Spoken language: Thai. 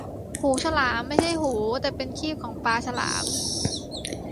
หูฉลาม ไม่ใช่หู แต่เป็นครีบของปลาฉลาม